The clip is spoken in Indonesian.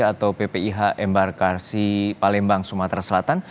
atau ppih embarkasi palembang sumatera selatan